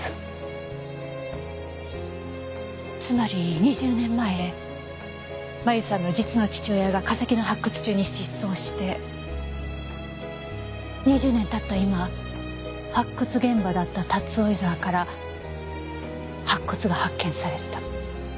つまり２０年前麻由さんの実の父親が化石の発掘中に失踪して２０年経った今発掘現場だった竜追沢から白骨が発見された。